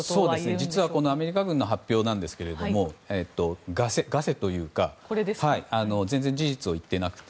実はアメリカ軍の発表なんですけどガセというか全然、事実を言っていなくて。